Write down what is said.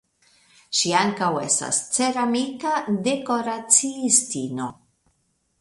Ŝi ankaŭ estas ceramika dekoraciistino.